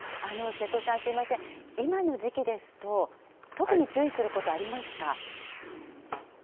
瀬戸さん、すみません、今の時期ですと、特に注意することありますか？